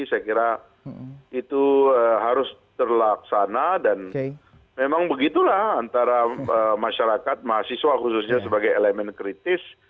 saya kira itu harus terlaksana dan memang begitulah antara masyarakat mahasiswa khususnya sebagai elemen kritis